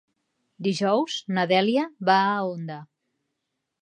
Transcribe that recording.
Dijous na Dèlia va a Onda.